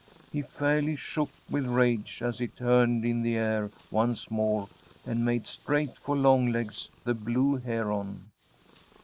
He fairly shook with rage as he turned in the air once more and made straight for Longlegs the Blue Heron.